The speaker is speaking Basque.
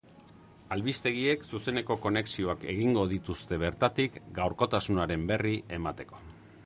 Albistegiek zuzeneko konexioak egingo dituzte bertatik gaurkotasunaren berri emateko.